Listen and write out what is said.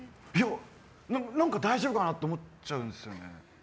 何か、大丈夫かなと思っちゃうんですよね。